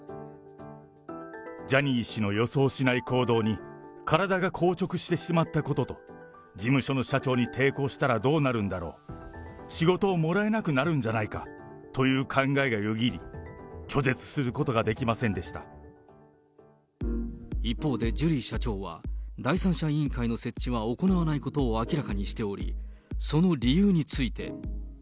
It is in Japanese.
ジャニー氏の予想しない行動に体が硬直してしまったことと、事務所の社長に抵抗したらどうなるんだろう、仕事をもらえなくなるんじゃないかという考えがよぎり、拒絶する一方で、ジュリー社長は、第三者委員会の設置は行わないことを明らかにしており、その理由について。